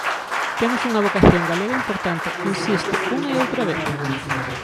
"Temos unha vocación galega importante", insiste unha e outra vez.